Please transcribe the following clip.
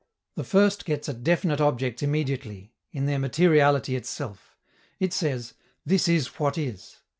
The first gets at definite objects immediately, in their materiality itself. It says, "This is what is."